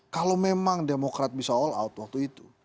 kalau memang demokrat bisa all out waktu itu